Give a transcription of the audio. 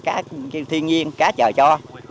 cá thiên nhiên cá trời cho